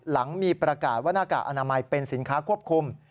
หลังมีประกาศว่าหน้ากากอนามัยเป็นสินค้าควบคุม